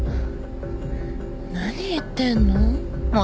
何言ってんの？